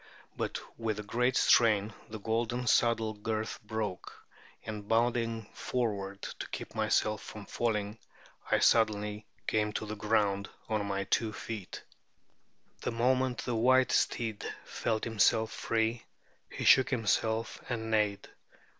But with the great strain the golden saddle girth broke, and bounding forward to keep myself from falling, I suddenly came to the ground on my two feet. The moment the white steed felt himself free, he shook himself and neighed.